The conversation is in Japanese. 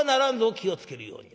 気を付けるように。